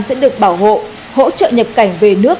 sẽ được bảo hộ hỗ trợ nhập cảnh về nước